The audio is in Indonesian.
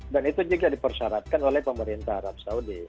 dan itu juga dipersyaratkan oleh pemerintah arab saudi